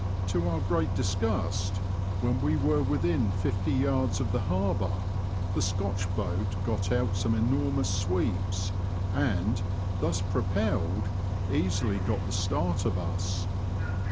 To our great disgust, when we were within fifty yards of the Harbour, the Scotch boat got out some enormous sweeps, and, thus propelled, easily got the start of us.